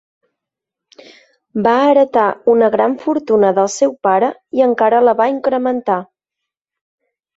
Va heretar una gran fortuna del seu pare i encara la va incrementar.